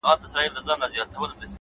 بدلون د ودې برخه ده،